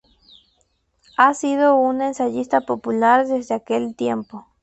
Ha sido un ensayista popular desde aquel tiempo.